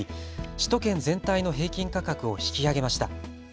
首都圏全体の平均価格を引き上げました。